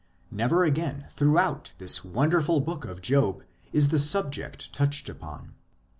Never again throughout this wonderful book of Job is the subject touched upon.